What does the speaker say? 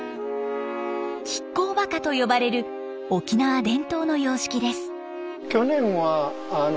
亀甲墓と呼ばれる沖縄伝統の様式です。